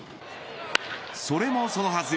それもそのはず